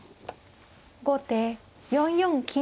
後手４四金。